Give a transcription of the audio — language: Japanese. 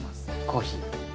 コーヒー。